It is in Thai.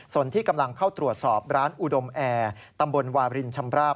ส่วนที่กำลังเข้าตรวจสอบร้านอุดมแอร์ตำบลวาบรินชำราบ